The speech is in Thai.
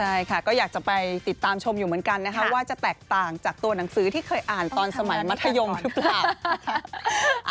ใช่ค่ะก็อยากจะไปติดตามชมอยู่เหมือนกันนะคะว่าจะแตกต่างจากตัวหนังสือที่เคยอ่านตอนสมัยมัธยมหรือเปล่า